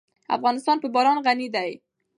افغانستان په باران غني دی.